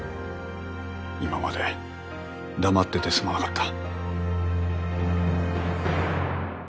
今まで黙っててすまなかった。